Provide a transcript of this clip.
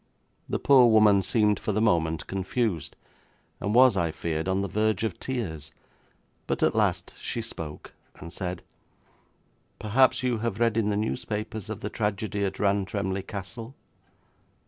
The poor woman seemed for the moment confused, and was, I feared, on the verge of tears, but at last she spoke, and said, 'Perhaps you have read in the newspapers of the tragedy at Rantremly Castle?'